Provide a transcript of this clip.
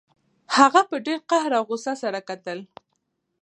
هغه په ډیر قهر او غوسه سره کتل